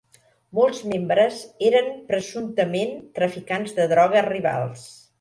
Molts membres eren presumptament traficants de droga rivals.